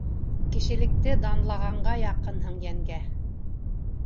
Кешелекте данлағанға яҡынһың йәнгә